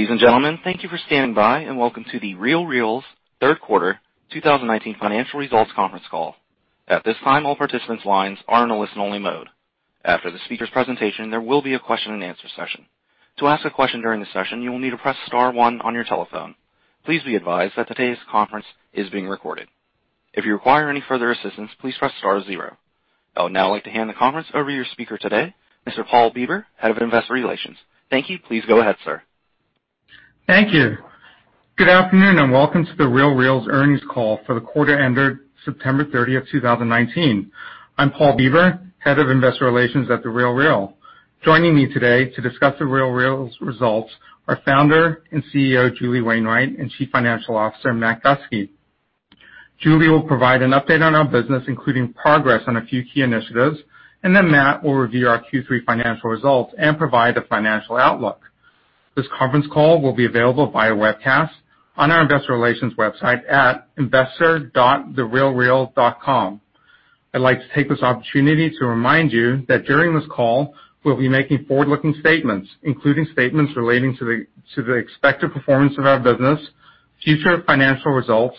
Ladies and gentlemen, thank you for standing by, and welcome to The RealReal's Third Quarter 2019 Financial Results Conference Call. At this time, all participants' lines are in a listen-only mode. After the speaker's presentation, there will be a question and answer session. To ask a question during the session, you will need to press star one on your telephone. Please be advised that today's conference is being recorded. If you require any further assistance, please press star zero. I would now like to hand the conference over to your speaker today, Mr. Paul Bieber, Head of Investor Relations. Thank you. Please go ahead, sir. Thank you. Good afternoon, and welcome to The RealReal's earnings call for the quarter ended September 30th, 2019. I'm Paul Bieber, Head of Investor Relations at The RealReal. Joining me today to discuss The RealReal's results are Founder and CEO, Julie Wainwright, and Chief Financial Officer, Matt Gustke. Julie will provide an update on our business, including progress on a few key initiatives, and then Matt will review our Q3 financial results and provide a financial outlook. This conference call will be available via webcast on our investor relations website at investor.therealreal.com. I'd like to take this opportunity to remind you that during this call, we'll be making forward-looking statements, including statements relating to the expected performance of our business, future financial results,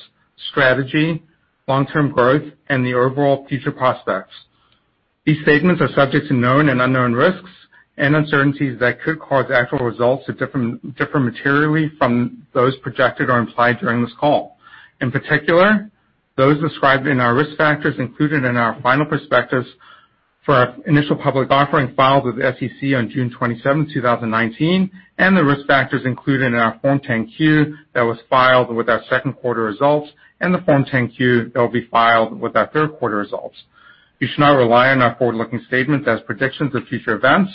strategy, long-term growth, and the overall future prospects. These statements are subject to known and unknown risks and uncertainties that could cause actual results to differ materially from those projected or implied during this call. In particular, those described in our risk factors included in our final prospectus for our initial public offering filed with the SEC on June 27th, 2019, and the risk factors included in our Form 10-Q that was filed with our second quarter results, and the Form 10-Q that will be filed with our third quarter results. You should not rely on our forward-looking statements as predictions of future events.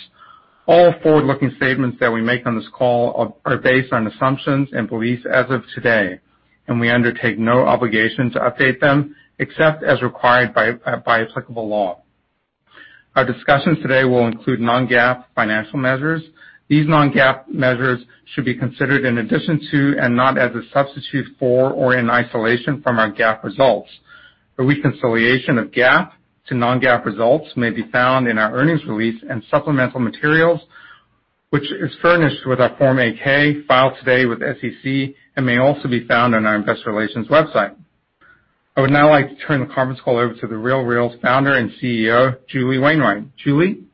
All forward-looking statements that we make on this call are based on assumptions and beliefs as of today, and we undertake no obligation to update them except as required by applicable law. Our discussions today will include non-GAAP financial measures. These non-GAAP measures should be considered in addition to and not as a substitute for or in isolation from our GAAP results. A reconciliation of GAAP to non-GAAP results may be found in our earnings release and supplemental materials, which is furnished with our Form 8-K filed today with SEC and may also be found on our investor relations website. I would now like to turn the conference call over to The RealReal's Founder and CEO, Julie Wainwright. Julie?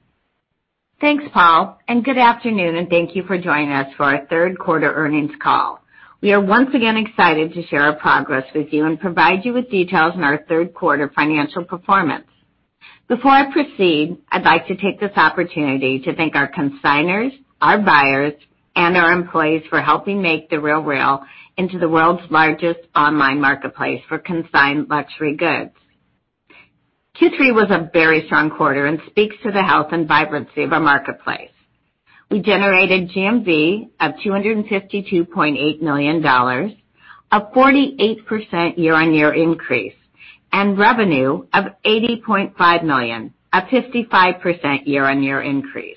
Thanks, Paul, and good afternoon, and thank you for joining us for our third quarter earnings call. We are once again excited to share our progress with you and provide you with details on our third quarter financial performance. Before I proceed, I'd like to take this opportunity to thank our consignors, our buyers, and our employees for helping make The RealReal into the world's largest online marketplace for consigned luxury goods. Q3 was a very strong quarter and speaks to the health and vibrancy of our marketplace. We generated GMV of $252.8 million, a 48% year-on-year increase, and revenue of $80.5 million, a 55% year-on-year increase.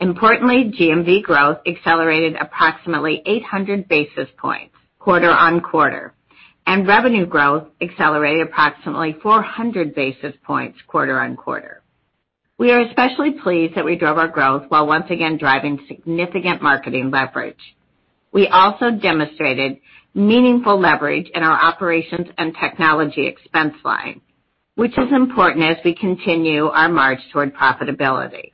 Importantly, GMV growth accelerated approximately 800 basis points quarter-on-quarter, and revenue growth accelerated approximately 400 basis points quarter-on-quarter. We are especially pleased that we drove our growth while once again driving significant marketing leverage. We also demonstrated meaningful leverage in our operations and technology expense line, which is important as we continue our march toward profitability.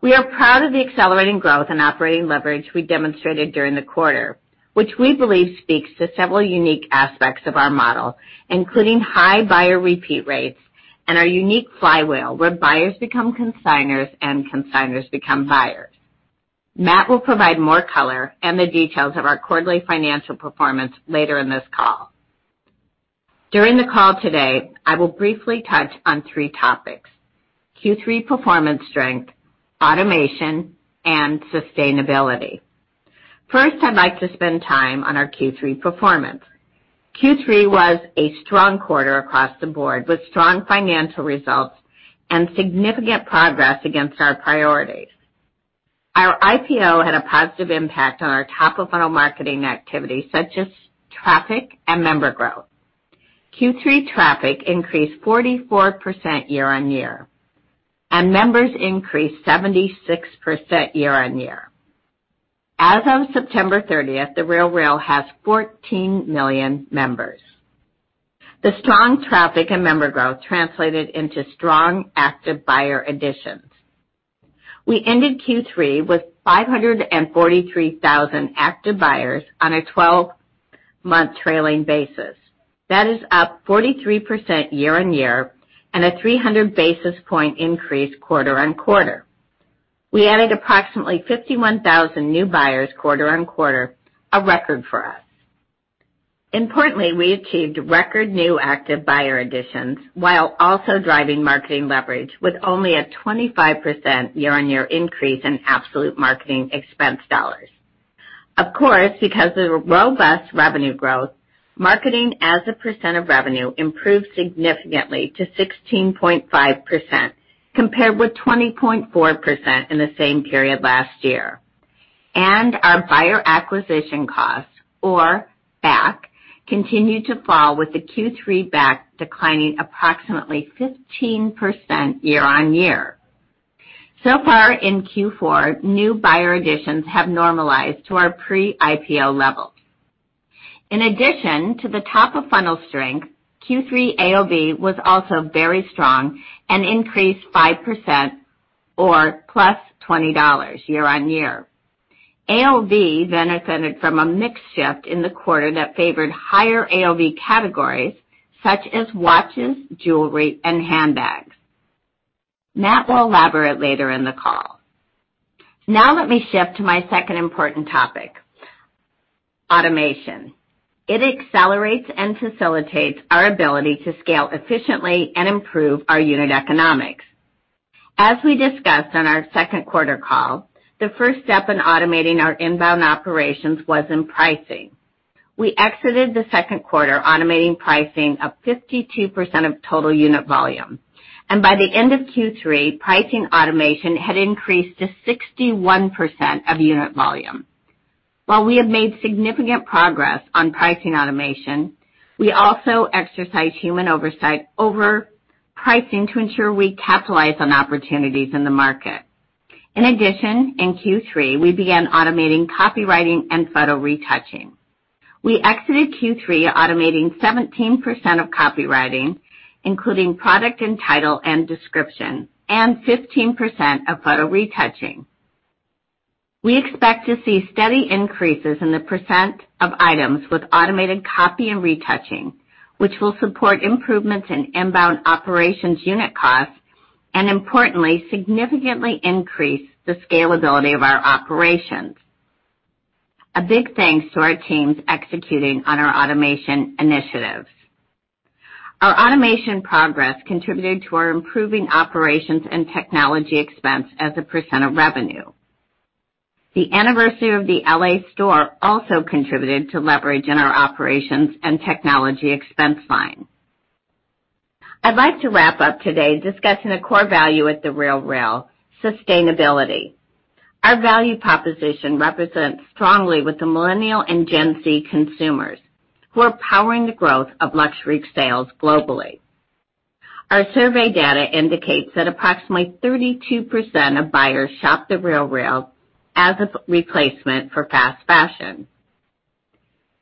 We are proud of the accelerating growth and operating leverage we demonstrated during the quarter, which we believe speaks to several unique aspects of our model, including high buyer repeat rates and our unique flywheel, where buyers become consignors and consignors become buyers. Matt will provide more color and the details of our quarterly financial performance later in this call. During the call today, I will briefly touch on three topics. Q3 performance strength, automation, and sustainability. First, I'd like to spend time on our Q3 performance. Q3 was a strong quarter across the board with strong financial results and significant progress against our priorities. Our IPO had a positive impact on our top-of-funnel marketing activities, such as traffic and member growth. Q3 traffic increased 44% year-on-year, and members increased 76% year-on-year. As of September 30th, The RealReal has 14 million members. The strong traffic and member growth translated into strong active buyer additions. We ended Q3 with 543,000 active buyers on a 12-month trailing basis. That is up 43% year-on-year and a 300 basis point increase quarter-on-quarter. We added approximately 51,000 new buyers quarter-on-quarter, a record for us. Importantly, we achieved record new active buyer additions while also driving marketing leverage with only a 25% year-on-year increase in absolute marketing expense dollars. Of course, because of the robust revenue growth, marketing as a percent of revenue improved significantly to 16.5% compared with 20.4% in the same period last year. Our buyer acquisition costs, or BAC, continued to fall with the Q3 BAC declining approximately 15% year-on-year. So far in Q4, new buyer additions have normalized to our pre-IPO levels. In addition to the top of funnel strength, Q3 AOV was also very strong and increased 5% or +$20 year-on-year. AOV benefited from a mix shift in the quarter that favored higher AOV categories such as watches, jewelry, and handbags. Matt will elaborate later in the call. Now let me shift to my second important topic, automation. It accelerates and facilitates our ability to scale efficiently and improve our unit economics. As we discussed on our second quarter call, the first step in automating our inbound operations was in pricing. We exited the second quarter automating pricing of 52% of total unit volume, and by the end of Q3, pricing automation had increased to 61% of unit volume. While we have made significant progress on pricing automation, we also exercise human oversight over pricing to ensure we capitalize on opportunities in the market. In addition, in Q3, we began automating copywriting and photo retouching. We exited Q3 automating 17% of copywriting, including product and title and description, and 15% of photo retouching. We expect to see steady increases in the percent of items with automated copy and retouching, which will support improvements in inbound operations unit costs, and importantly, significantly increase the scalability of our operations. A big thanks to our teams executing on our automation initiatives. Our automation progress contributed to our improving operations and technology expense as a percent of revenue. The anniversary of the L.A. store also contributed to leverage in our operations and technology expense line. I'd like to wrap up today discussing a core value at The RealReal, sustainability. Our value proposition represents strongly with the millennial and Gen Z consumers, who are powering the growth of luxury sales globally. Our survey data indicates that approximately 32% of buyers shop The RealReal as a replacement for fast fashion.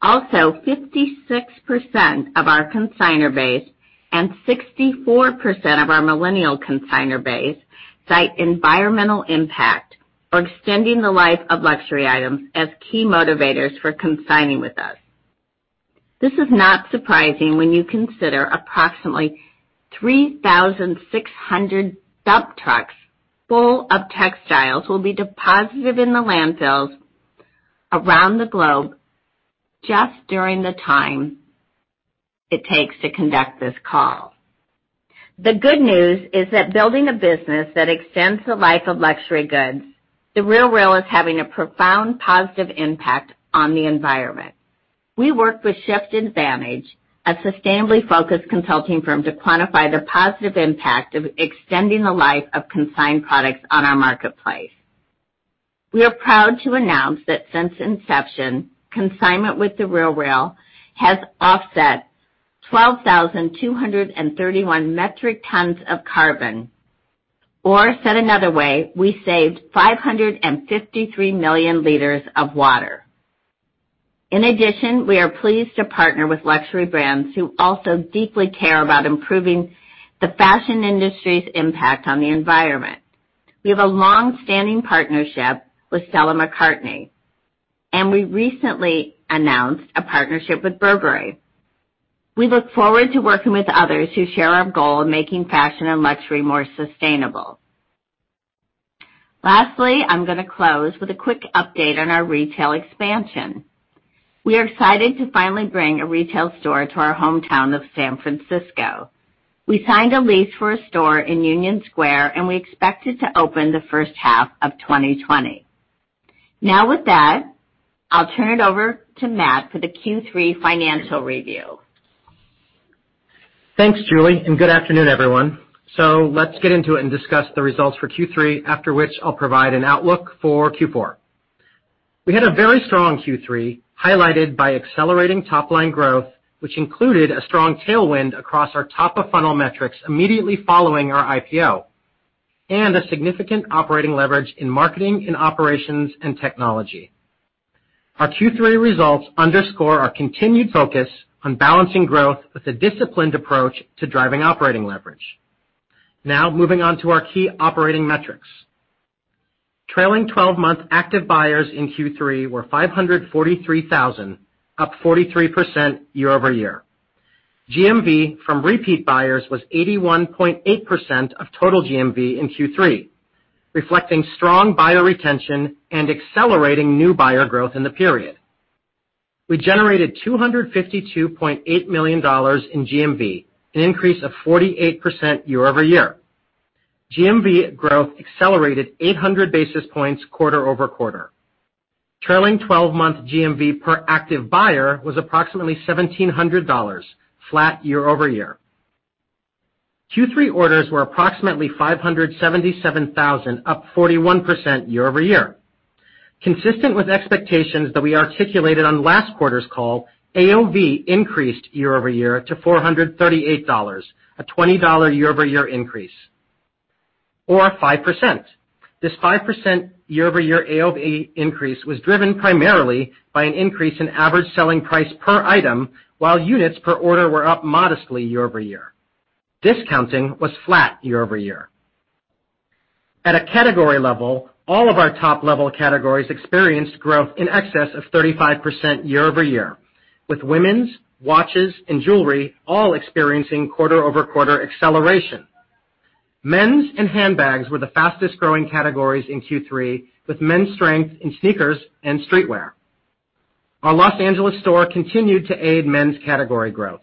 Also, 56% of our consignor base and 64% of our millennial consignor base cite environmental impact or extending the life of luxury items as key motivators for consigning with us. This is not surprising when you consider approximately 3,600 dump trucks full of textiles will be deposited in the landfills around the globe just during the time it takes to conduct this call. The good news is that building a business that extends the life of luxury goods, The RealReal is having a profound positive impact on the environment. We work with Shift Advantage, a sustainably focused consulting firm, to quantify the positive impact of extending the life of consigned products on our marketplace. We are proud to announce that since inception, consignment with The RealReal has offset 12,231 metric tons of carbon. Said another way, we saved 553 million liters of water. In addition, we are pleased to partner with luxury brands who also deeply care about improving the fashion industry's impact on the environment. We have a long-standing partnership with Stella McCartney, and we recently announced a partnership with Burberry. We look forward to working with others who share our goal of making fashion and luxury more sustainable. Lastly, I'm going to close with a quick update on our retail expansion. We are excited to finally bring a retail store to our hometown of San Francisco. We signed a lease for a store in Union Square, and we expect it to open the first half of 2020. With that, I'll turn it over to Matt for the Q3 financial review. Thanks, Julie. Good afternoon, everyone. Let's get into it and discuss the results for Q3, after which I'll provide an outlook for Q4. We had a very strong Q3, highlighted by accelerating top-line growth, which included a strong tailwind across our top-of-funnel metrics immediately following our IPO, and a significant operating leverage in marketing and operations and technology. Our Q3 results underscore our continued focus on balancing growth with a disciplined approach to driving operating leverage. Moving on to our key operating metrics. Trailing 12-month active buyers in Q3 were 543,000, up 43% year-over-year. GMV from repeat buyers was 81.8% of total GMV in Q3, reflecting strong buyer retention and accelerating new buyer growth in the period. We generated $252.8 million in GMV, an increase of 48% year-over-year. GMV growth accelerated 800 basis points quarter-over-quarter. Trailing 12-month GMV per active buyer was approximately $1,700, flat year-over-year. Q3 orders were approximately 577,000, up 41% year-over-year. Consistent with expectations that we articulated on last quarter's call, AOV increased year-over-year to $438, a $20 year-over-year increase, or 5%. This 5% year-over-year AOV increase was driven primarily by an increase in average selling price per item, while units per order were up modestly year-over-year. Discounting was flat year-over-year. At a category level, all of our top-level categories experienced growth in excess of 35% year-over-year, with women's, watches, and jewelry all experiencing quarter-over-quarter acceleration. Men's and handbags were the fastest-growing categories in Q3, with men's strength in sneakers and streetwear. Our Los Angeles store continued to aid men's category growth.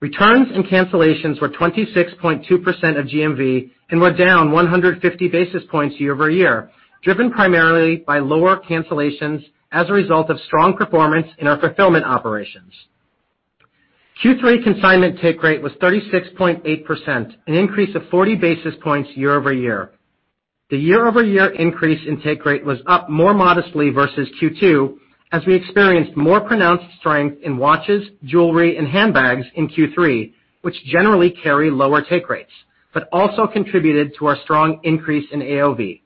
Returns and cancellations were 26.2% of GMV and were down 150 basis points year-over-year, driven primarily by lower cancellations as a result of strong performance in our fulfillment operations. Q3 consignment take rate was 36.8%, an increase of 40 basis points year-over-year. The year-over-year increase in take rate was up more modestly versus Q2, as we experienced more pronounced strength in watches, jewelry, and handbags in Q3, which generally carry lower take rates, but also contributed to our strong increase in AOV.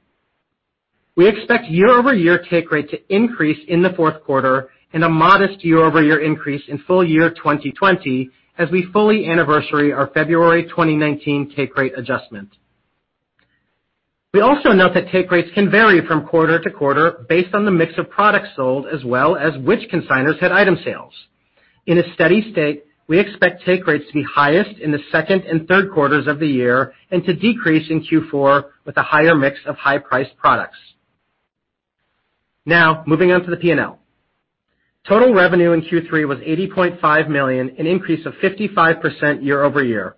We expect year-over-year take rate to increase in the fourth quarter and a modest year-over-year increase in full year 2020, as we fully anniversary our February 2019 take rate adjustment. We also note that take rates can vary from quarter-to-quarter based on the mix of products sold, as well as which consignors had item sales. In a steady state, we expect take rates to be highest in the second and third quarters of the year, and to decrease in Q4 with a higher mix of high-priced products. Moving on to the P&L. Total revenue in Q3 was $80.5 million, an increase of 55% year-over-year.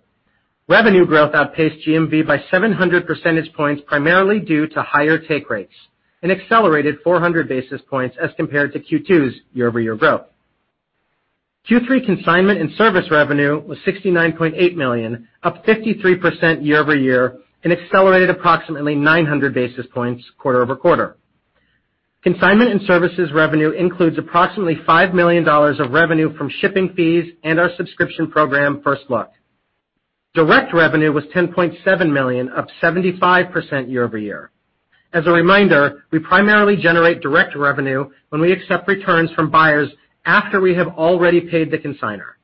Revenue growth outpaced GMV by 700 percentage points, primarily due to higher take rates, and accelerated 400 basis points as compared to Q2's year-over-year growth. Q3 consignment and service revenue was $69.8 million, up 53% year-over-year and accelerated approximately 900 basis points quarter-over-quarter. Consignment and services revenue includes approximately $5 million of revenue from shipping fees and our subscription program, First Look. Direct revenue was $10.7 million, up 75% year-over-year. As a reminder, we primarily generate direct revenue when we accept returns from buyers after we have already paid the consignor.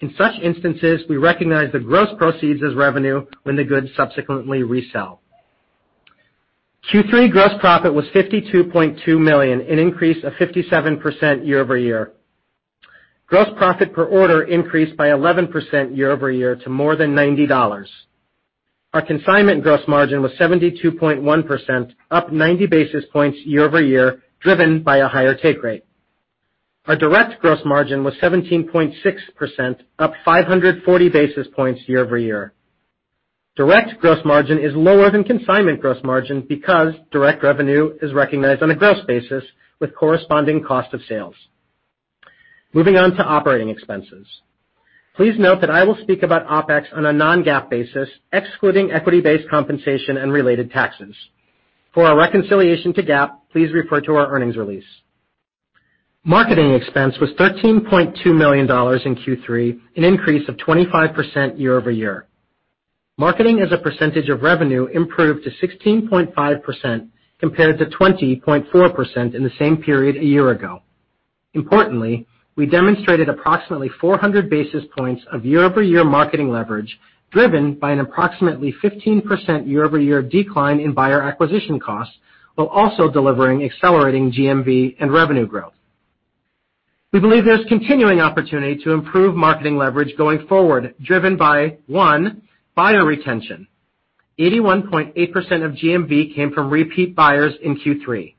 In such instances, we recognize the gross proceeds as revenue when the goods subsequently resell. Q3 gross profit was $52.2 million, an increase of 57% year-over-year. Gross profit per order increased by 11% year-over-year to more than $90. Our consignment gross margin was 72.1%, up 90 basis points year-over-year, driven by a higher take rate. Our direct gross margin was 17.6%, up 540 basis points year-over-year. Direct gross margin is lower than consignment gross margin because direct revenue is recognized on a gross basis with corresponding cost of sales. Moving on to operating expenses. Please note that I will speak about OpEx on a non-GAAP basis, excluding equity-based compensation and related taxes. For our reconciliation to GAAP, please refer to our earnings release. Marketing expense was $13.2 million in Q3, an increase of 25% year-over-year. Marketing as a percentage of revenue improved to 16.5% compared to 20.4% in the same period a year ago. Importantly, we demonstrated approximately 400 basis points of year-over-year marketing leverage, driven by an approximately 15% year-over-year decline in buyer acquisition costs, while also delivering accelerating GMV and revenue growth. We believe there's continuing opportunity to improve marketing leverage going forward, driven by, one, buyer retention. 81.8% of GMV came from repeat buyers in Q3.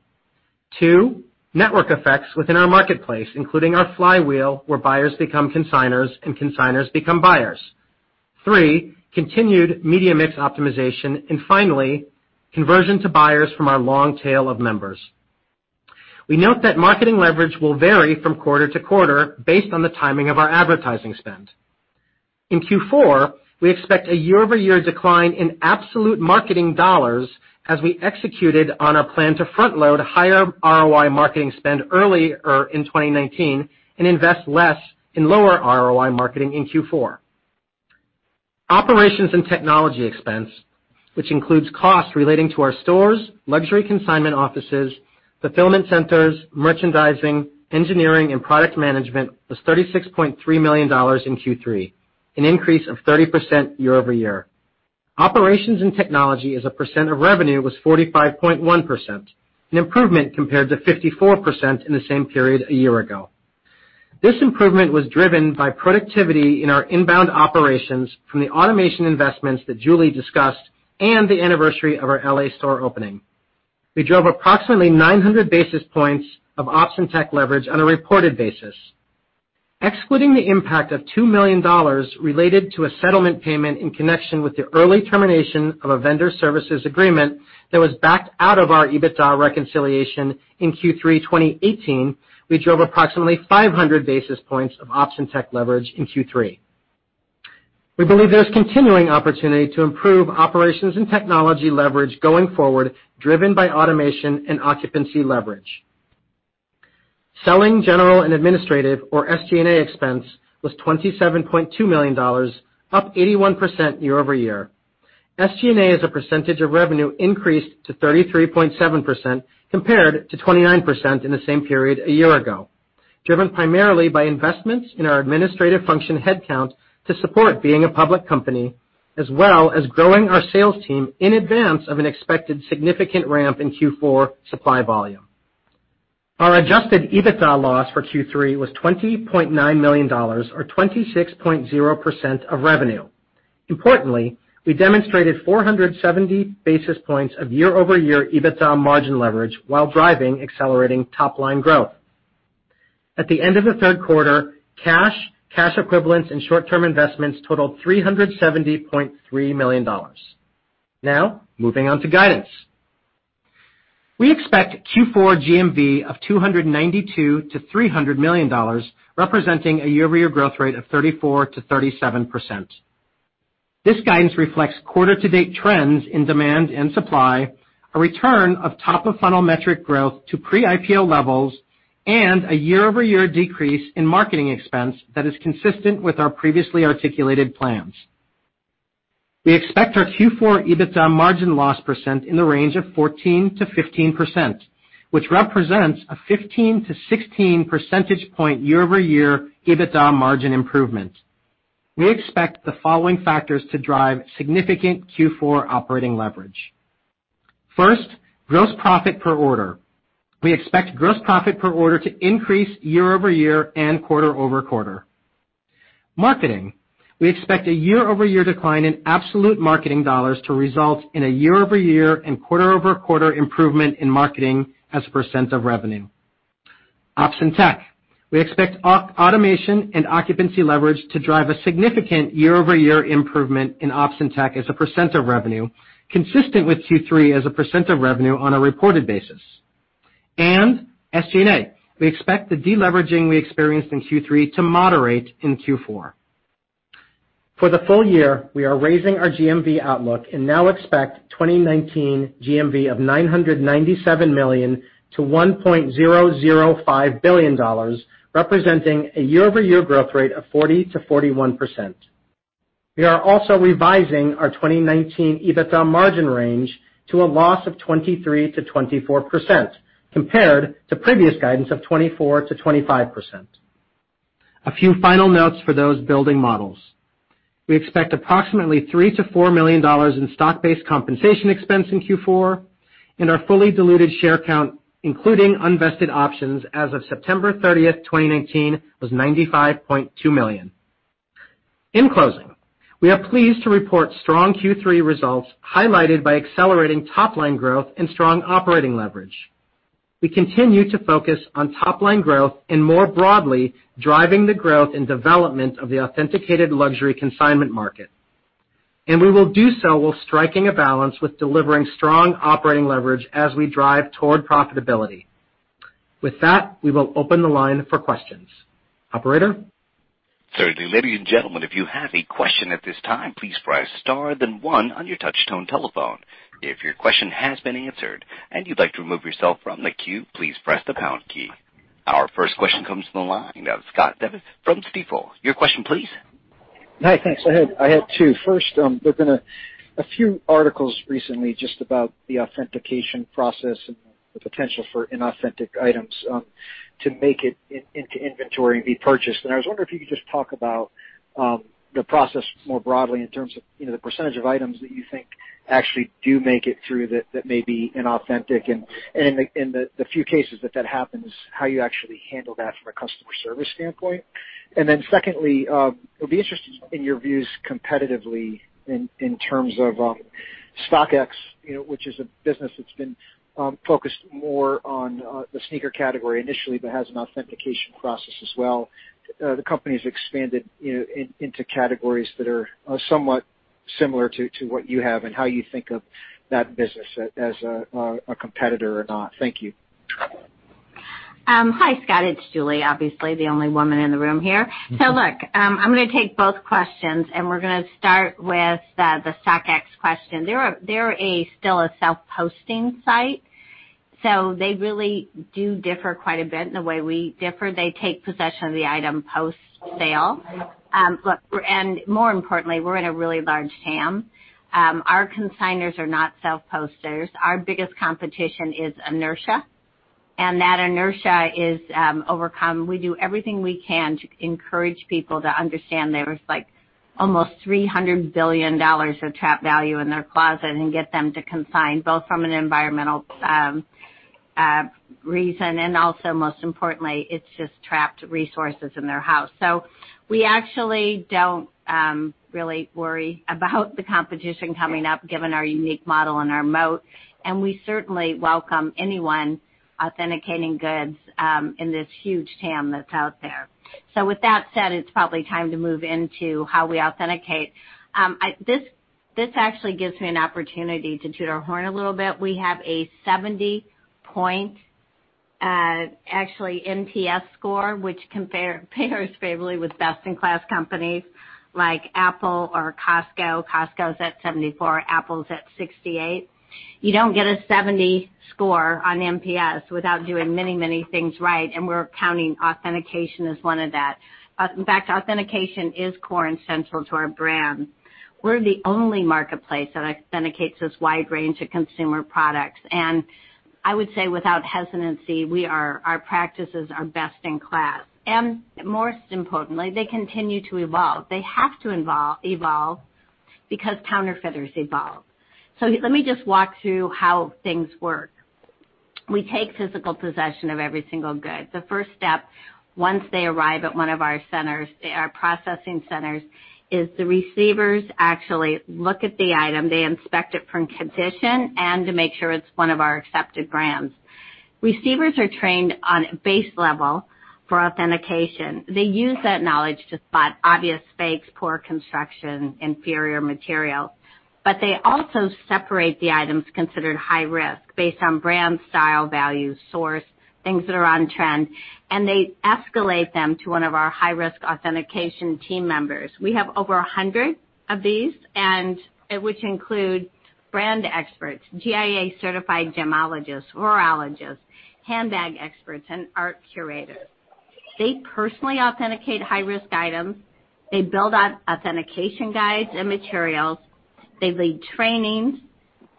Two, network effects within our marketplace, including our flywheel, where buyers become consignors and consignors become buyers. Three, continued media mix optimization, and finally, conversion to buyers from our long tail of members. We note that marketing leverage will vary from quarter to quarter based on the timing of our advertising spend. In Q4, we expect a year-over-year decline in absolute marketing dollars as we executed on our plan to front-load higher ROI marketing spend earlier in 2019 and invest less in lower ROI marketing in Q4. Operations and technology expense, which includes costs relating to our stores, Luxury Consignment Offices, fulfillment centers, merchandising, engineering, and product management, was $36.3 million in Q3, an increase of 30% year-over-year. Operations and technology as a percent of revenue was 45.1%, an improvement compared to 54% in the same period a year ago. This improvement was driven by productivity in our inbound operations from the automation investments that Julie discussed and the anniversary of our L.A. store opening. We drove approximately 900 basis points of ops and tech leverage on a reported basis. Excluding the impact of $2 million related to a settlement payment in connection with the early termination of a vendor services agreement. That was backed out of our EBITDA reconciliation in Q3 2018, we drove approximately 500 basis points of ops and tech leverage in Q3. We believe there's continuing opportunity to improve operations and technology leverage going forward, driven by automation and occupancy leverage. Selling, general, and administrative, or SG&A expense, was $27.2 million, up 81% year-over-year. SG&A as a percentage of revenue increased to 33.7%, compared to 29% in the same period a year ago, driven primarily by investments in our administrative function headcount to support being a public company, as well as growing our sales team in advance of an expected significant ramp in Q4 supply volume. Our adjusted EBITDA loss for Q3 was $20.9 million, or 26.0% of revenue. Importantly, we demonstrated 470 basis points of year-over-year EBITDA margin leverage while driving accelerating top-line growth. At the end of the third quarter, cash equivalents, and short-term investments totaled $370.3 million. Moving on to guidance. We expect Q4 GMV of $292 million-$300 million, representing a year-over-year growth rate of 34%-37%. This guidance reflects quarter-to-date trends in demand and supply, a return of top of funnel metric growth to pre-IPO levels, and a year-over-year decrease in marketing expense that is consistent with our previously articulated plans. We expect our Q4 EBITDA margin loss percent in the range of 14%-15%, which represents a 15-16 percentage point year-over-year EBITDA margin improvement. We expect the following factors to drive significant Q4 operating leverage. First, gross profit per order. We expect gross profit per order to increase year-over-year and quarter-over-quarter. Marketing. We expect a year-over-year decline in absolute marketing dollars to result in a year-over-year and quarter-over-quarter improvement in marketing as a percent of revenue. Ops and tech. We expect automation and occupancy leverage to drive a significant year-over-year improvement in ops and tech as a percent of revenue, consistent with Q3 as a percent of revenue on a reported basis. SG&A. We expect the de-leveraging we experienced in Q3 to moderate in Q4. For the full year, we are raising our GMV outlook and now expect 2019 GMV of $997 million to $1.005 billion, representing a year-over-year growth rate of 40%-41%. We are also revising our 2019 EBITDA margin range to a loss of 23%-24%, compared to previous guidance of 24%-25%. A few final notes for those building models. We expect approximately $3 million-$4 million in stock-based compensation expense in Q4, and our fully diluted share count, including unvested options as of September 30th, 2019, was 95.2 million. In closing, we are pleased to report strong Q3 results, highlighted by accelerating top-line growth and strong operating leverage. We continue to focus on top-line growth and, more broadly, driving the growth and development of the authenticated luxury consignment market. We will do so while striking a balance with delivering strong operating leverage as we drive toward profitability. With that, we will open the line for questions. Operator? Certainly. Ladies and gentlemen, if you have a question at this time, please press star then one on your touch-tone telephone. If your question has been answered and you'd like to remove yourself from the queue, please press the pound key. Our first question comes from the line of Scott Devitt from Stifel. Your question, please. Hi, thanks. I have two. First, there's been a few articles recently just about the authentication process and the potential for inauthentic items to make it into inventory and be purchased. I was wondering if you could just talk about the process more broadly in terms of the percentage of items that you think actually do make it through that may be inauthentic, and in the few cases that that happens, how you actually handle that from a customer service standpoint. Secondly, it'll be interesting in your views competitively in terms of StockX, which is a business that's been focused more on the sneaker category initially, but has an authentication process as well. The company's expanded into categories that are somewhat similar to what you have and how you think of that business as a competitor or not. Thank you. Hi, Scott. It's Julie, obviously the only woman in the room here. Look, I'm going to take both questions, and we're going to start with the StockX question. They're still a self-posting site. They really do differ quite a bit in the way we differ. They take possession of the item post-sale. More importantly, we're in a really large TAM. Our consignors are not self-posters. Our biggest competition is inertia, and that inertia is overcome. We do everything we can to encourage people to understand there is almost $300 billion of trapped value in their closet and get them to consign, both from an environmental reason and also, most importantly, it's just trapped resources in their house. We actually don't really worry about the competition coming up, given our unique model and our moat, and we certainly welcome anyone authenticating goods in this huge TAM that's out there. With that said, it's probably time to move into how we authenticate. This actually gives me an opportunity to toot our horn a little bit. We have a 70-point, actually, NPS score, which compares favorably with best-in-class companies like Apple or Costco. Costco's at 74, Apple's at 68. You don't get a 70 score on NPS without doing many, many things right, and we're counting authentication as one of that. Authentication is core and central to our brand. We're the only marketplace that authenticates this wide range of consumer products. I would say without hesitancy, our practices are best in class. Most importantly, they continue to evolve. They have to evolve because counterfeiters evolve. Let me just walk through how things work. We take physical possession of every single good. The first step, once they arrive at one of our centers, our processing centers, is the receivers actually look at the item, they inspect it for condition, and to make sure it's one of our accepted brands. Receivers are trained on a base level for authentication. They use that knowledge to spot obvious fakes, poor construction, inferior material. They also separate the items considered high risk based on brand, style, value, source, things that are on trend, and they escalate them to one of our high-risk authentication team members. We have over 100 of these, and which include brand experts, GIA-certified gemologists, horologists, handbag experts, and art curators. They personally authenticate high-risk items, they build out authentication guides and materials, they lead trainings,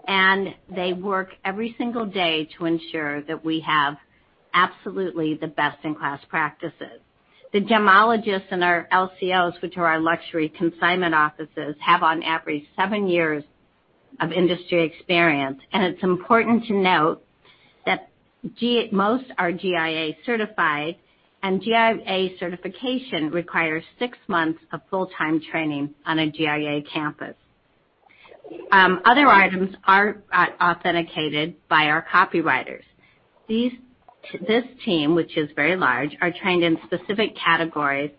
and they work every single day to ensure that we have absolutely the best-in-class practices. The gemologists in our LCOs, which are our luxury consignment offices, have on average seven years of industry experience, and it's important to note that most are GIA certified, and GIA certification requires six months of full-time training on a GIA campus. Other items are authenticated by our copywriters. This team, which is very large, are trained in specific categories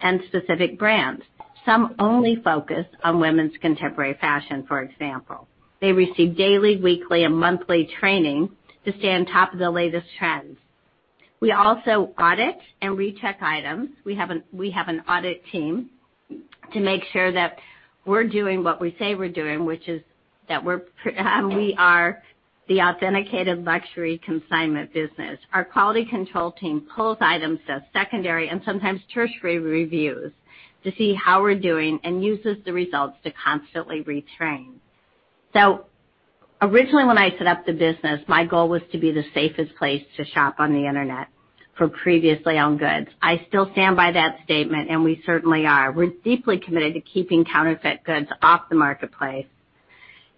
and specific brands. Some only focus on women's contemporary fashion, for example. They receive daily, weekly, and monthly training to stay on top of the latest trends. We also audit and recheck items. We have an audit team to make sure that we're doing what we say we're doing, which is that we are the authenticated luxury consignment business. Our quality control team pulls items, does secondary and sometimes tertiary reviews to see how we're doing and uses the results to constantly retrain. Originally, when I set up the business, my goal was to be the safest place to shop on the internet for previously owned goods. I still stand by that statement, and we certainly are. We're deeply committed to keeping counterfeit goods off the marketplace.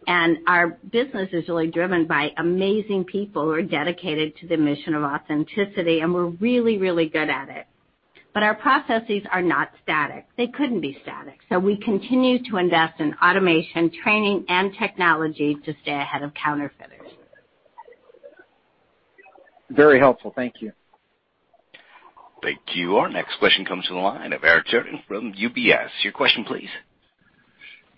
Our business is really driven by amazing people who are dedicated to the mission of authenticity, and we're really, really good at it. Our processes are not static. They couldn't be static. We continue to invest in automation, training, and technology to stay ahead of counterfeiters. Very helpful. Thank you. Thank you. Our next question comes to the line of Eric Sheridan from UBS. Your question, please.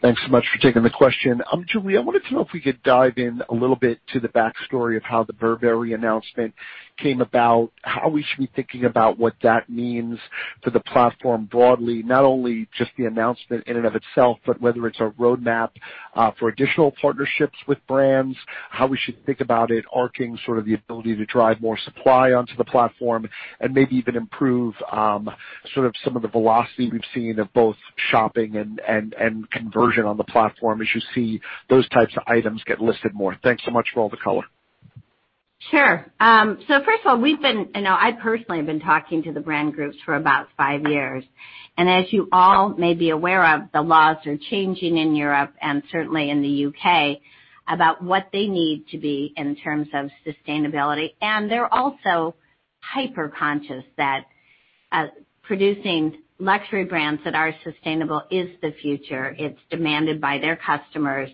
Thanks so much for taking the question. Julie, I wanted to know if we could dive in a little bit to the backstory of how the Burberry announcement came about, how we should be thinking about what that means for the platform broadly, not only just the announcement in and of itself, but whether it's a roadmap for additional partnerships with brands, how we should think about it arcing sort of the ability to drive more supply onto the platform and maybe even improve sort of some of the velocity we've seen of both shopping and conversion on the platform as you see those types of items get listed more. Thanks so much for all the color. Sure. First of all, I personally have been talking to the brand groups for about five years. As you all may be aware of, the laws are changing in Europe and certainly in the U.K. about what they need to be in terms of sustainability. They're also hyper-conscious that producing luxury brands that are sustainable is the future. It's demanded by their customers,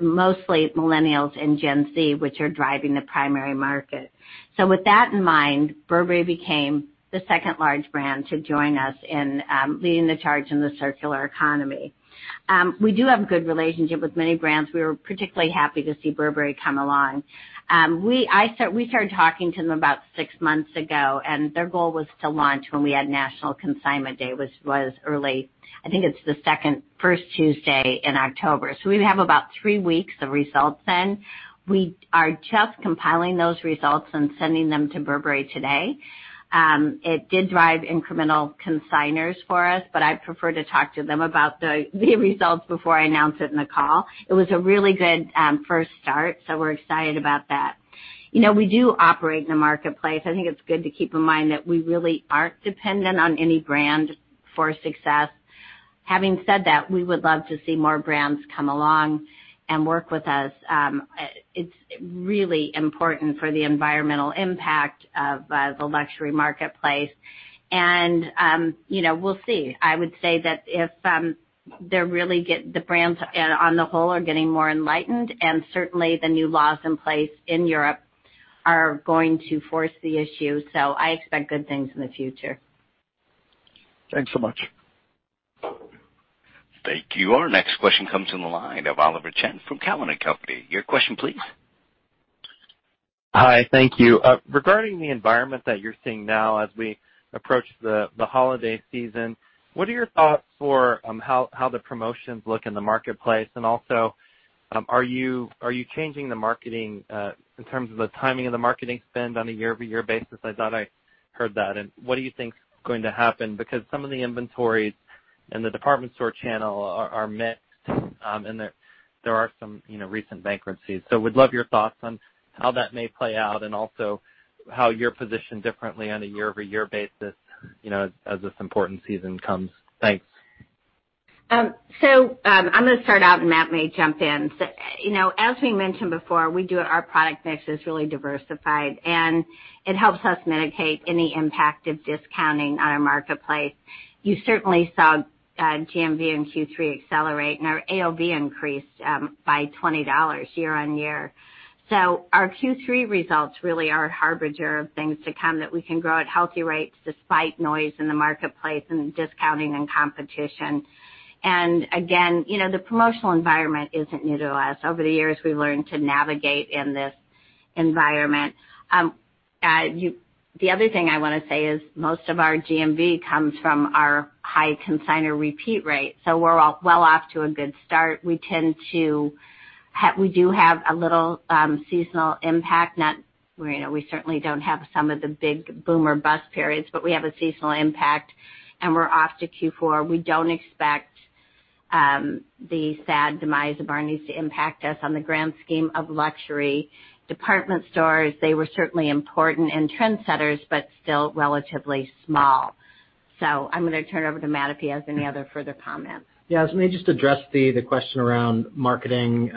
mostly millennials and Gen Z, which are driving the primary market. With that in mind, Burberry became the second large brand to join us in leading the charge in the circular economy. We do have a good relationship with many brands. We were particularly happy to see Burberry come along. We started talking to them about six months ago, and their goal was to launch when we had National Consignment Day, which was early. I think it's the first Tuesday in October. We have about three weeks of results in. We are just compiling those results and sending them to Burberry today. It did drive incremental consignors for us, but I prefer to talk to them about the results before I announce it in the call. It was a really good first start, so we're excited about that. We do operate in the marketplace. I think it's good to keep in mind that we really aren't dependent on any brand for success. Having said that, we would love to see more brands come along and work with us. It's really important for the environmental impact of the luxury marketplace. We'll see. I would say that the brands on the whole are getting more enlightened, and certainly the new laws in place in Europe are going to force the issue. I expect good things in the future. Thanks so much. Thank you. Our next question comes from the line of Oliver Chen from Cowen and Company. Your question, please. Hi, thank you. Regarding the environment that you're seeing now as we approach the holiday season, what are your thoughts for how the promotions look in the marketplace? Are you changing the marketing in terms of the timing of the marketing spend on a year-over-year basis? I thought I heard that. What do you think is going to happen? Because some of the inventories in the department store channel are mixed, and there are some recent bankruptcies. Would love your thoughts on how that may play out and also how you're positioned differently on a year-over-year basis as this important season comes. Thanks. I'm going to start out, and Matt may jump in. As we mentioned before, our product mix is really diversified, and it helps us mitigate any impact of discounting on our marketplace. You certainly saw GMV in Q3 accelerate, and our AOV increased by $20 year-over-year. Our Q3 results really are a harbinger of things to come, that we can grow at healthy rates despite noise in the marketplace and discounting and competition. Again, the promotional environment isn't new to us. Over the years, we've learned to navigate in this environment. The other thing I want to say is most of our GMV comes from our high consignor repeat rate. We're well off to a good start. We do have a little seasonal impact. We certainly don't have some of the big boom or bust periods, but we have a seasonal impact, and we're off to Q4. We don't expect the sad demise of Barneys to impact us on the grand scheme of luxury department stores. They were certainly important and trendsetters, but still relatively small. I'm going to turn it over to Matt if he has any other further comments. Yeah. Let me just address the question around marketing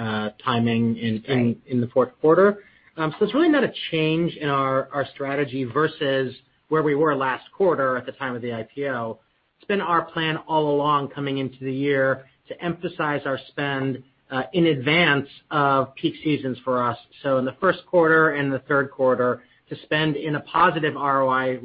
timing in the fourth quarter. It's really not a change in our strategy versus where we were last quarter at the time of the IPO. It's been our plan all along coming into the year to emphasize our spend in advance of peak seasons for us. In the first quarter and the third quarter to spend in a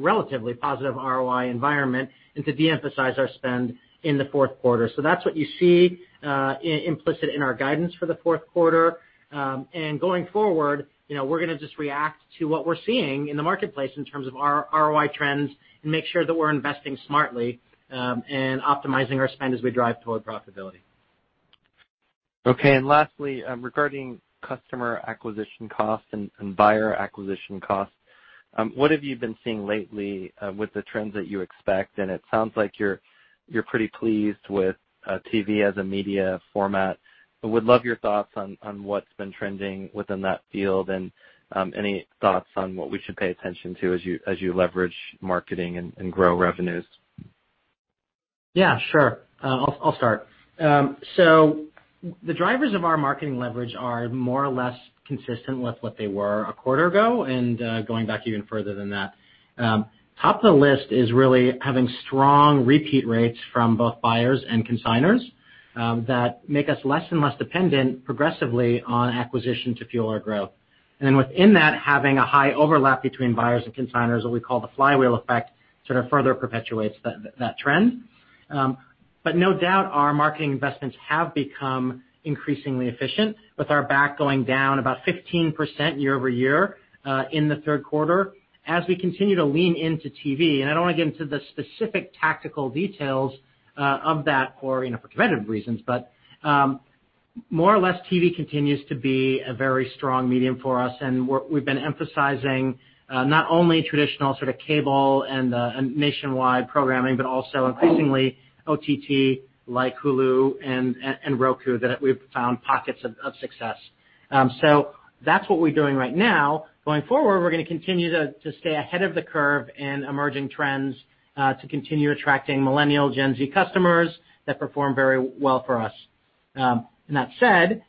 relatively positive ROI environment and to de-emphasize our spend in the fourth quarter. That's what you see implicit in our guidance for the fourth quarter. Going forward, we're going to just react to what we're seeing in the marketplace in terms of our ROI trends and make sure that we're investing smartly and optimizing our spend as we drive toward profitability. Okay. Lastly, regarding customer acquisition costs and buyer acquisition costs, what have you been seeing lately with the trends that you expect? It sounds like you're pretty pleased with TV as a media format. Would love your thoughts on what's been trending within that field and any thoughts on what we should pay attention to as you leverage marketing and grow revenues. Yeah, sure. I'll start. The drivers of our marketing leverage are more or less consistent with what they were a quarter ago and going back even further than that. Top of the list is really having strong repeat rates from both buyers and consignors that make us less and less dependent progressively on acquisition to fuel our growth. Within that, having a high overlap between buyers and consignors, what we call the flywheel effect, sort of further perpetuates that trend. No doubt, our marketing investments have become increasingly efficient with our BAC going down about 15% year-over-year in the third quarter as we continue to lean into TV. I don't want to get into the specific tactical details of that for competitive reasons, but more or less, TV continues to be a very strong medium for us. We've been emphasizing not only traditional cable and nationwide programming, but also increasingly OTT, like Hulu and Roku, that we've found pockets of success. That's what we're doing right now. Going forward, we're going to continue to stay ahead of the curve in emerging trends to continue attracting Millennial, Gen Z customers that perform very well for us. That said,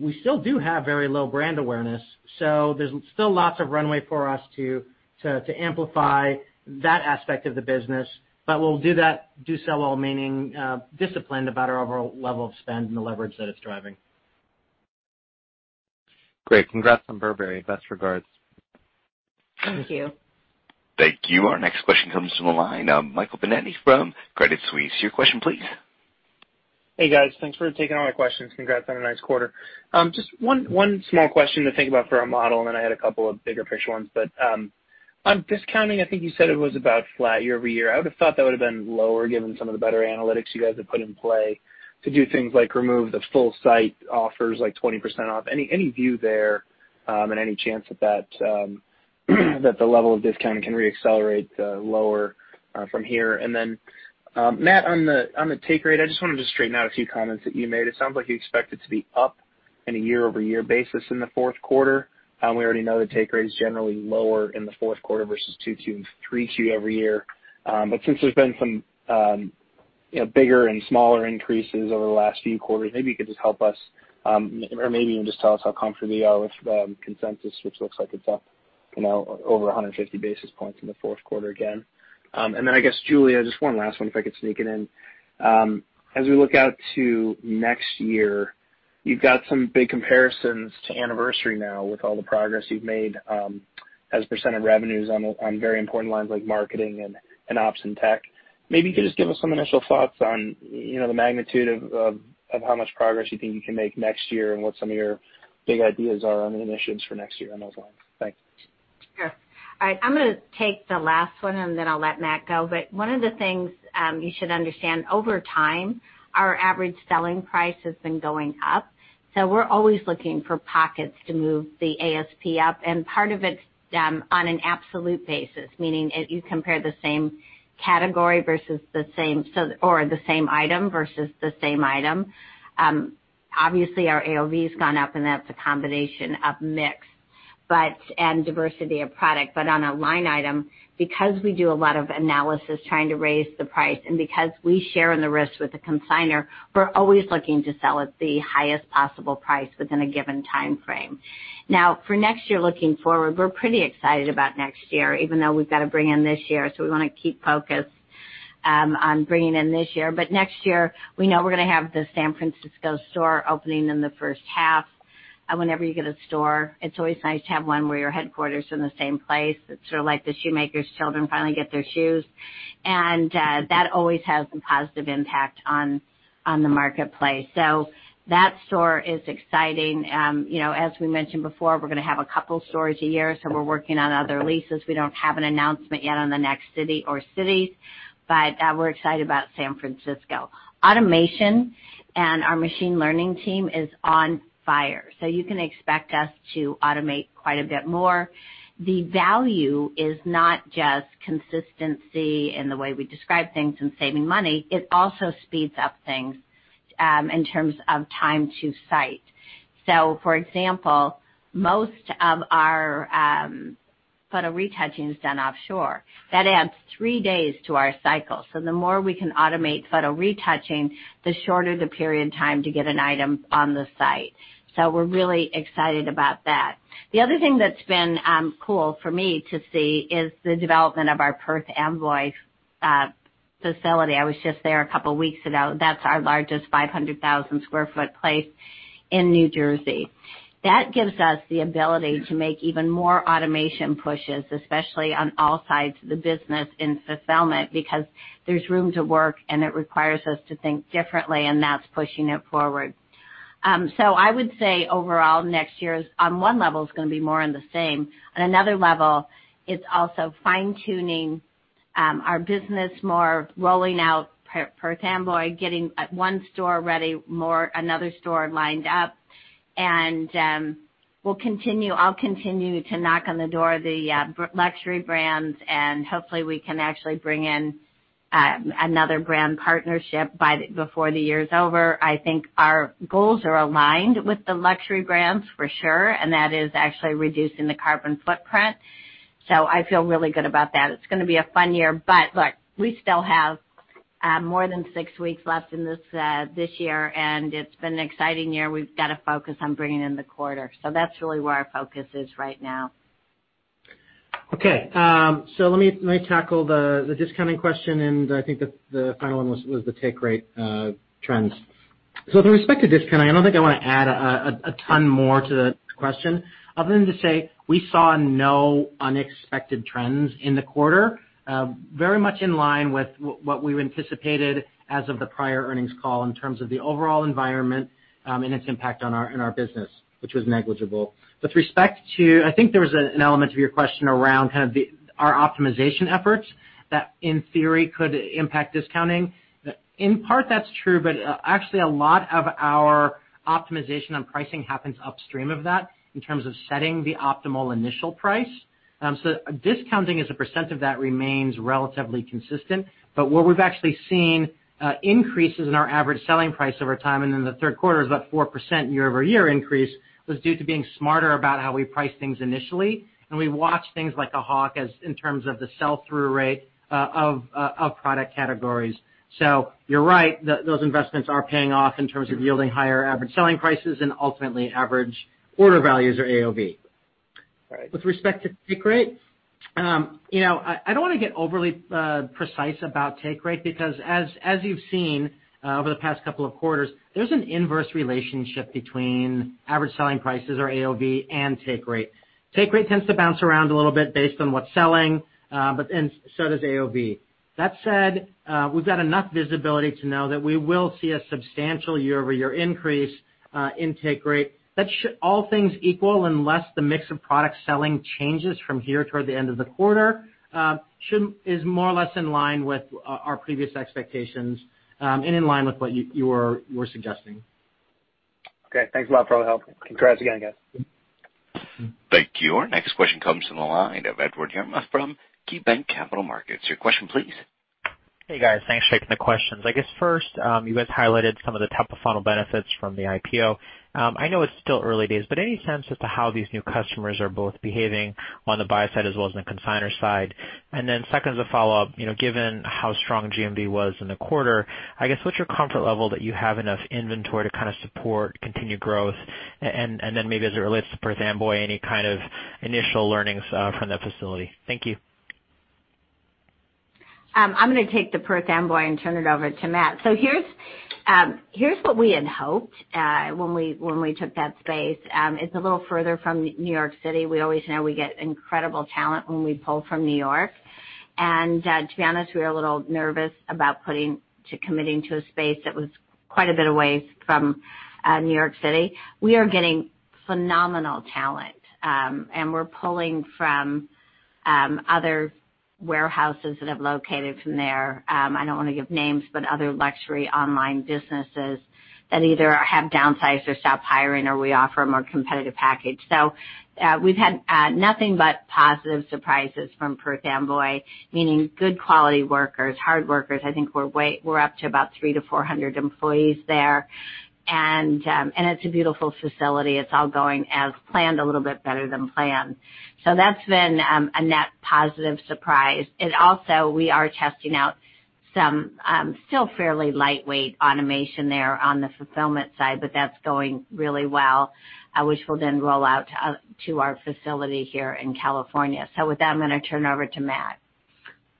we still do have very low brand awareness, so there's still lots of runway for us to amplify that aspect of the business. We'll do so while remaining disciplined about our overall level of spend and the leverage that it's driving. Great. Congrats on Burberry. Best regards. Thank you. Thank you. Our next question comes from the line of Michael Binetti from Credit Suisse. Your question, please. Hey, guys. Thanks for taking all my questions. Congrats on a nice quarter. Just one small question to think about for our model, and then I had a couple of bigger picture ones. On discounting, I think you said it was about flat year-over-year. I would have thought that would have been lower given some of the better analytics you guys have put in play to do things like remove the full site offers, like 20% off. Any view there, and any chance that the level of discounting can re-accelerate lower from here? Matt, on the take rate, I just wanted to straighten out a few comments that you made. It sounds like you expect it to be up in a year-over-year basis in the fourth quarter. We already know the take rate is generally lower in the fourth quarter versus Q2 and Q3 every year. Since there's been some bigger and smaller increases over the last few quarters, maybe you could just help us, or maybe even just tell us how comfortable you are with consensus, which looks like it's up over 150 basis points in the fourth quarter again. I guess, Julie, just one last one, if I could sneak it in. As we look out to next year, you've got some big comparisons to anniversary now with all the progress you've made. As a percent of revenues on very important lines like marketing and ops and tech. Maybe you could just give us some initial thoughts on the magnitude of how much progress you think you can make next year and what some of your big ideas are on initiatives for next year on those lines. Thanks. Sure. All right, I'm going to take the last one, and then I'll let Matt go. One of the things you should understand, over time, our average selling price has been going up. We're always looking for pockets to move the ASP up, and part of it's on an absolute basis, meaning if you compare the same category or the same item versus the same item. Obviously, our AOV has gone up, and that's a combination of mix and diversity of product. On a line item, because we do a lot of analysis trying to raise the price and because we share in the risk with the consignor, we're always looking to sell at the highest possible price within a given time frame. For next year, looking forward, we're pretty excited about next year, even though we've got to bring in this year, we want to keep focused on bringing in this year. Next year, we know we're going to have the San Francisco store opening in the first half. Whenever you get a store, it's always nice to have one where your headquarters are in the same place. It's sort of like the shoemaker's children finally get their shoes. That always has a positive impact on the marketplace. That store is exciting. As we mentioned before, we're going to have a couple stores a year, we're working on other leases. We don't have an announcement yet on the next city or cities. We're excited about San Francisco. Automation our machine learning team is on fire, you can expect us to automate quite a bit more. The value is not just consistency in the way we describe things and saving money. It also speeds up things in terms of time to site. For example, most of our photo retouching is done offshore. That adds three days to our cycle. The more we can automate photo retouching, the shorter the period time to get an item on the site. We're really excited about that. The other thing that's been cool for me to see is the development of our Perth Amboy facility. I was just there a couple weeks ago. That's our largest 500,000 sq ft place in New Jersey. That gives us the ability to make even more automation pushes, especially on all sides of the business in fulfillment, because there's room to work, and it requires us to think differently, and that's pushing it forward. I would say overall, next year, on one level, is going to be more in the same. On another level, it's also fine-tuning our business more, rolling out Perth Amboy, getting one store ready, another store lined up. I'll continue to knock on the door of the luxury brands, and hopefully we can actually bring in another brand partnership before the year is over. I think our goals are aligned with the luxury brands for sure, and that is actually reducing the carbon footprint. I feel really good about that. It's going to be a fun year. Look, we still have more than six weeks left in this year, and it's been an exciting year. We've got to focus on bringing in the quarter. That's really where our focus is right now. Let me tackle the discounting question, and I think the final one was the take rate trends. With respect to discounting, I don't think I want to add a ton more to the question other than to say we saw no unexpected trends in the quarter. Very much in line with what we anticipated as of the prior earnings call in terms of the overall environment and its impact on our business, which was negligible. With respect to, I think there was an element of your question around kind of our optimization efforts that, in theory, could impact discounting. In part, that's true, actually, a lot of our optimization on pricing happens upstream of that in terms of setting the optimal initial price. Discounting as a percent of that remains relatively consistent. Where we've actually seen increases in our average selling price over time, and in the third quarter, it was about 4% year-over-year increase, was due to being smarter about how we price things initially. We watch things like a hawk in terms of the sell-through rate of product categories. You're right, those investments are paying off in terms of yielding higher average selling prices and ultimately average order values or AOV. All right. With respect to take rate, I don't want to get overly precise about take rate because as you've seen over the past couple of quarters, there's an inverse relationship between average selling prices or AOV and take rate. Take rate tends to bounce around a little bit based on what's selling, and so does AOV. That said, we've got enough visibility to know that we will see a substantial year-over-year increase in take rate. All things equal, unless the mix of product selling changes from here toward the end of the quarter, is more or less in line with our previous expectations and in line with what you were suggesting. Okay. Thanks a lot for all the help. Congrats again, guys. Thank you. Our next question comes from the line of Edward Yruma from KeyBanc Capital Markets. Your question, please. Hey, guys. Thanks for taking the questions. I guess first, you guys highlighted some of the top-of-funnel benefits from the IPO. I know it's still early days, but any sense as to how these new customers are both behaving on the buyer side as well as on the consignor side? Second, as a follow-up, given how strong GMV was in the quarter, I guess, what's your comfort level that you have enough inventory to kind of support continued growth? Maybe as it relates to Perth Amboy, any kind of initial learnings from that facility? Thank you. I'm going to take the Perth Amboy and turn it over to Matt. Here's what we had hoped when we took that space. It's a little further from New York City. We always know we get incredible talent when we pull from New York. To be honest, we were a little nervous about committing to a space that was quite a bit away from New York City. We are getting phenomenal talent, and we're pulling from other warehouses that have located from there. I don't want to give names, but other luxury online businesses that either have downsized or stopped hiring, or we offer a more competitive package. We've had nothing but positive surprises from Perth Amboy, meaning good quality workers, hard workers. I think we're up to about 300-400 employees there. It's a beautiful facility. It's all going as planned, a little bit better than planned. That's been a net positive surprise. We are testing out some still fairly lightweight automation there on the fulfillment side, but that's going really well, which will then roll out to our facility here in California. With that, I'm going to turn it over to Matt.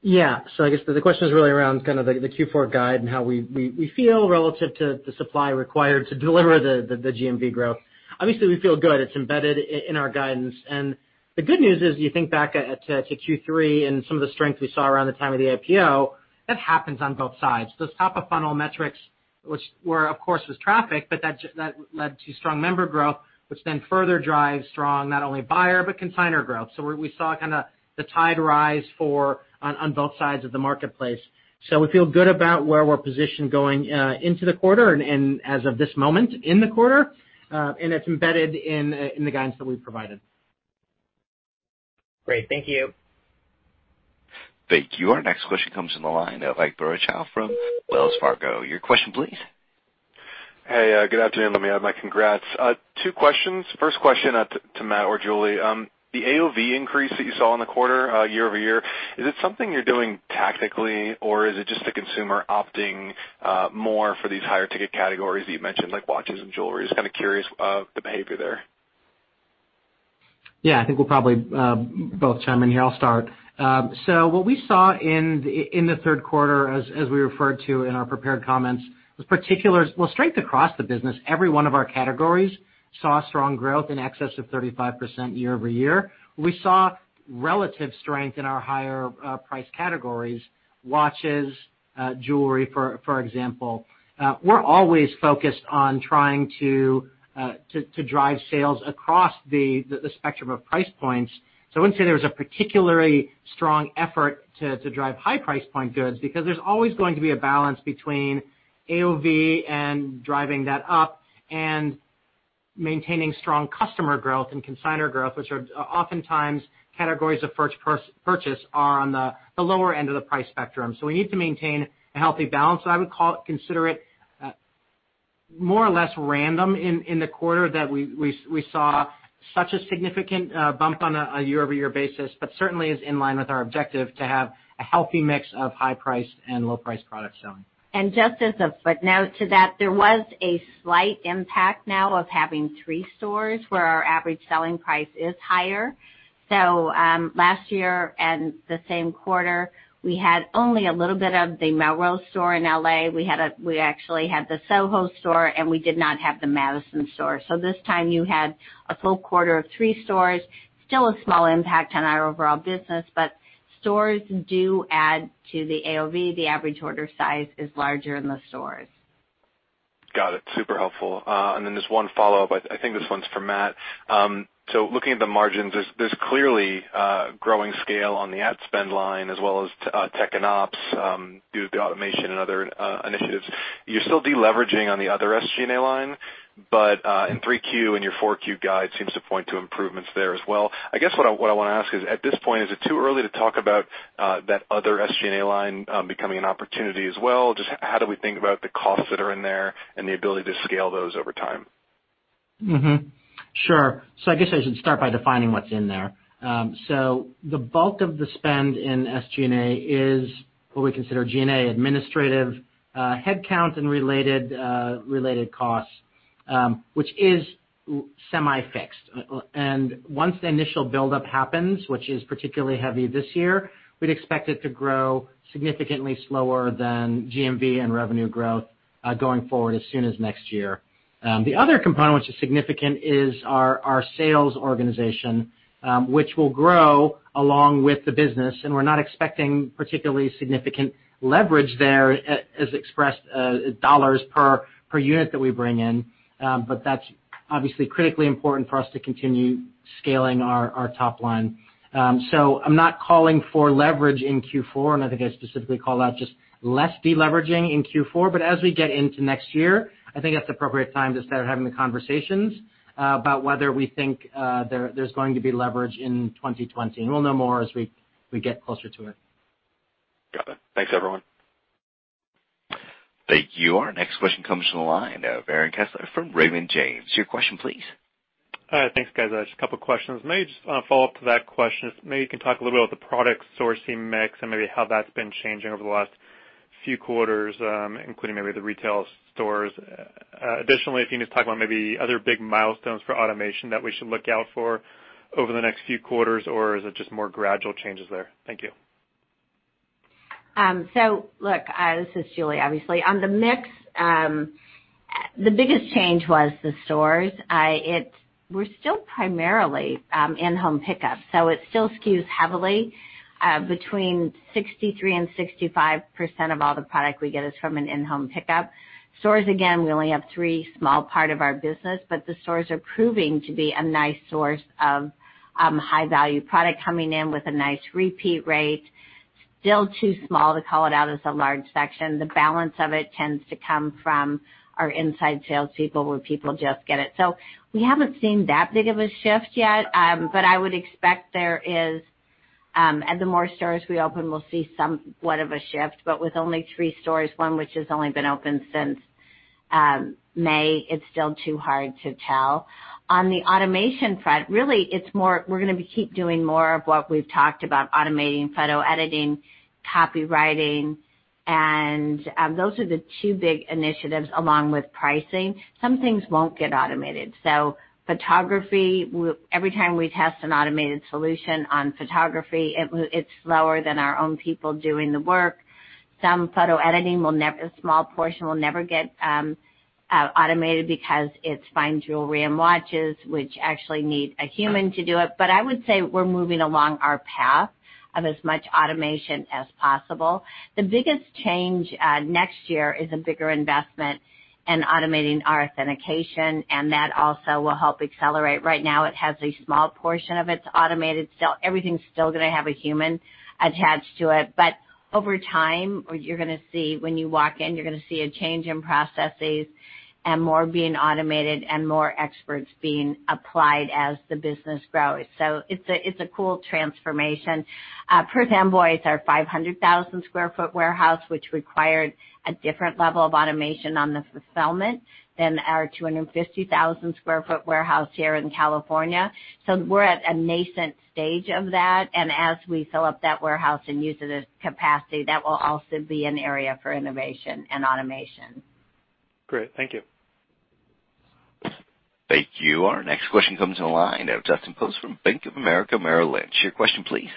I guess the question is really around kind of the Q4 guide and how we feel relative to the supply required to deliver the GMV growth. Obviously, we feel good. It's embedded in our guidance. The good news is, you think back to Q3 and some of the strength we saw around the time of the IPO, that happens on both sides. Those top-of-funnel metrics, which of course was traffic, that led to strong member growth, which further drives strong, not only buyer, but consignor growth. We saw kind of the tide rise on both sides of the marketplace. We feel good about where we're positioned going into the quarter and as of this moment in the quarter, it's embedded in the guidance that we've provided. Great. Thank you. Thank you. Our next question comes from the line of Ike Boruchow from Wells Fargo. Your question please. Hey, good afternoon. Let me add my congrats. Two questions. First question to Matt or Julie. The AOV increase that you saw in the quarter year over year, is it something you're doing tactically, or is it just the consumer opting more for these higher ticket categories that you mentioned, like watches and jewelry? Just kind of curious of the behavior there. Yeah, I think we'll probably both chime in here. I'll start. What we saw in the third quarter, as we referred to in our prepared comments, was strength across the business. Every one of our categories saw strong growth in excess of 35% year-over-year. We saw relative strength in our higher price categories, watches, jewelry, for example. We're always focused on trying to drive sales across the spectrum of price points. I wouldn't say there was a particularly strong effort to drive high price point goods, because there's always going to be a balance between AOV and driving that up and maintaining strong customer growth and consignor growth, which are oftentimes categories of first purchase are on the lower end of the price spectrum. We need to maintain a healthy balance. I would consider it more or less random in the quarter that we saw such a significant bump on a year-over-year basis. Certainly is in line with our objective to have a healthy mix of high price and low price products selling. Just as a footnote to that, there was a slight impact now of having three stores where our average selling price is higher. Last year in the same quarter, we had only a little bit of the Melrose store in L.A. We actually had the Soho store, and we did not have the Madison store. This time you had a full quarter of three stores, still a small impact on our overall business, but stores do add to the AOV. The average order size is larger in the stores. Just one follow-up. I think this one's for Matt. Looking at the margins, there's clearly a growing scale on the ad spend line as well as tech and ops, due to automation and other initiatives. You're still de-leveraging on the other SG&A line, in 3Q and your 4Q guide seems to point to improvements there as well. I guess what I want to ask is, at this point, is it too early to talk about that other SG&A line becoming an opportunity as well? Just how do we think about the costs that are in there and the ability to scale those over time? Sure. I guess I should start by defining what's in there. The bulk of the spend in SG&A is what we consider G&A administrative headcount and related costs, which is semi-fixed. Once the initial buildup happens, which is particularly heavy this year, we'd expect it to grow significantly slower than GMV and revenue growth going forward as soon as next year. The other component, which is significant, is our sales organization, which will grow along with the business, and we're not expecting particularly significant leverage there as expressed dollars per unit that we bring in. That's obviously critically important for us to continue scaling our top line. I'm not calling for leverage in Q4, and I think I specifically call out just less de-leveraging in Q4. As we get into next year, I think that's the appropriate time to start having the conversations about whether we think there's going to be leverage in 2020. We'll know more as we get closer to it. Got it. Thanks, everyone. Thank you. Our next question comes from the line of Aaron Kessler from Raymond James. Your question, please. Thanks, guys. Just a couple of questions. Maybe just a follow-up to that question. Maybe you can talk a little bit about the product sourcing mix and maybe how that's been changing over the last few quarters, including maybe the retail stores. Additionally, if you could just talk about maybe other big milestones for automation that we should look out for over the next few quarters, or is it just more gradual changes there? Thank you. Look, this is Julie, obviously. On the mix, the biggest change was the stores. We're still primarily in-home pickup, so it still skews heavily between 63% and 65% of all the product we get is from an in-home pickup. Stores, again, we only have three, small part of our business, but the stores are proving to be a nice source of high-value product coming in with a nice repeat rate. Still too small to call it out as a large section. The balance of it tends to come from our inside salespeople, where people just get it. We haven't seen that big of a shift yet, but I would expect there is, and the more stores we open, we'll see somewhat of a shift. With only three stores, one which has only been open since May, it's still too hard to tell. On the automation front, really, we're going to keep doing more of what we've talked about, automating photo editing, copywriting. Those are the two big initiatives along with pricing. Some things won't get automated. Photography, every time we test an automated solution on photography, it's slower than our own people doing the work. Some photo editing, a small portion, will never get automated because it's fine jewelry and watches, which actually need a human to do it. I would say we're moving along our path of as much automation as possible. The biggest change next year is a bigger investment in automating our authentication. That also will help accelerate. Right now, it has a small portion of it's automated still. Everything's still going to have a human attached to it. Over time, you're going to see, when you walk in, you're going to see a change in processes and more being automated and more experts being applied as the business grows. It's a cool transformation. Perth Amboy is our 500,000 sq ft warehouse, which required a different level of automation on the fulfillment than our 250,000 sq ft warehouse here in California. We're at a nascent stage of that, and as we fill up that warehouse and use the capacity, that will also be an area for innovation and automation. Great. Thank you. Thank you. Our next question comes on the line. I have Justin Post from Bank of America Merrill Lynch. Your question please.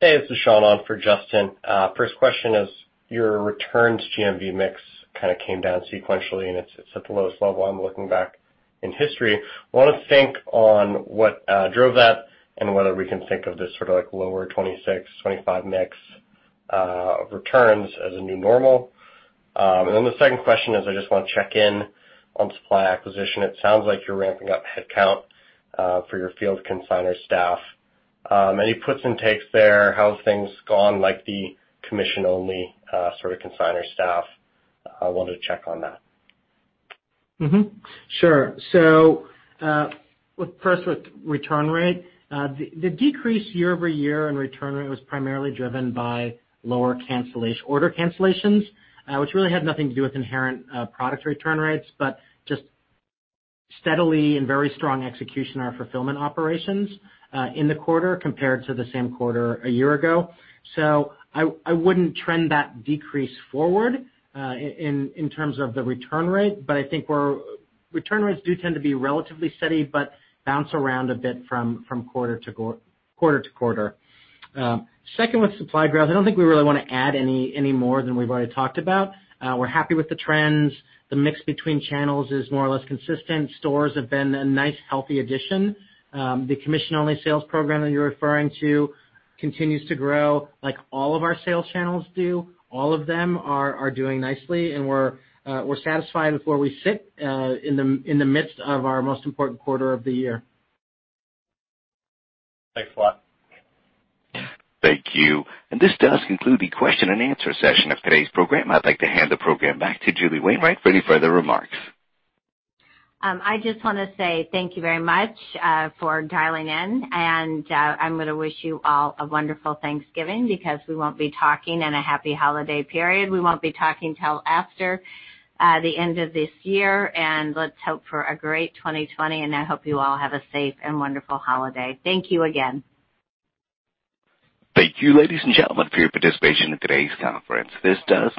Hey, this is Sean on for Justin. First question is, your returns GMV mix kind of came down sequentially, and it's at the lowest level I'm looking back in history. Want to think on what drove that and whether we can think of this sort of lower 26, 25 mix of returns as a new normal. The second question is, I just want to check in on supply acquisition. It sounds like you're ramping up headcount for your field consignor staff. Any puts and takes there? How have things gone, like the commission-only sort of consignor staff? I wanted to check on that. Sure. First with return rate. The decrease year-over-year in return rate was primarily driven by lower order cancellations, which really had nothing to do with inherent product return rates, but just steadily and very strong execution on our fulfillment operations in the quarter compared to the same quarter a year ago. I wouldn't trend that decrease forward in terms of the return rate, but I think return rates do tend to be relatively steady but bounce around a bit from quarter-to-quarter. Second, with supply growth, I don't think we really want to add any more than we've already talked about. We're happy with the trends. The mix between channels is more or less consistent. Stores have been a nice, healthy addition. The commission-only sales program that you're referring to continues to grow, like all of our sales channels do. All of them are doing nicely, and we're satisfied with where we sit in the midst of our most important quarter of the year. Thanks a lot. Thank you. This does conclude the question and answer session of today's program. I'd like to hand the program back to Julie Wainwright for any further remarks. I just want to say thank you very much for dialing in, and I'm going to wish you all a wonderful Thanksgiving because we won't be talking, and a happy holiday period. We won't be talking till after the end of this year. Let's hope for a great 2020. I hope you all have a safe and wonderful holiday. Thank you again. Thank you, ladies and gentlemen, for your participation in today's conference. This does